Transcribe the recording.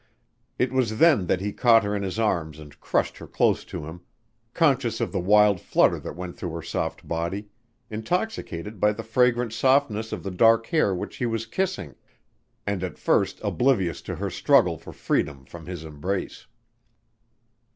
It was then that he caught her in his arms and crushed her close to him, conscious of the wild flutter that went through her soft body; intoxicated by the fragrant softness of the dark hair which he was kissing and at first oblivious to her struggle for freedom from his embrace.